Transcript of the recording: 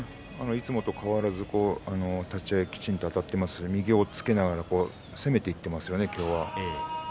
いつもと変わらず立ち合いきちんとあたっていますし右を押っつけながら攻めていっていますね、今日は。